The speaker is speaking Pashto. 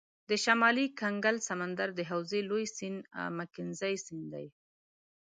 د شمالي کنګل سمندر د حوزې لوی سیند مکنزي سیند دی.